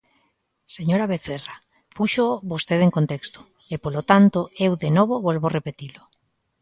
Señora Vecerra, púxoo vostede en contexto e, polo tanto, eu de novo volvo repetilo.